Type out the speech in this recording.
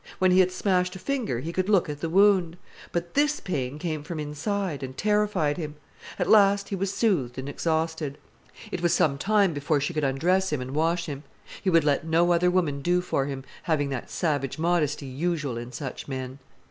When he had smashed a finger he could look at the wound. But this pain came from inside, and terrified him. At last he was soothed and exhausted. It was some time before she could undress him and wash him. He would let no other woman do for him, having that savage modesty usual in such men.